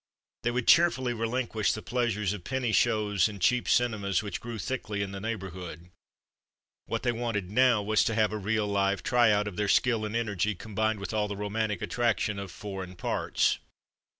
They would cheerfully relin quish the pleasures of penny shows and cheap cinemas which grew thickly in the neighbourhood. What they wanted now was to have a real live try out of their skill and energy combined with all the romantic attraction of ''foreign parts.